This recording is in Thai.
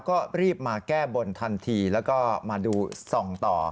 ก็รีบมาแก้บนทันทีแล้วก็มาดูส่องต่อ